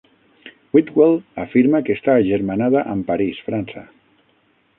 Whitwell afirma que està agermanada amb París, França.